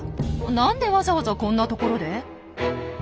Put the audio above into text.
何でわざわざこんな所で？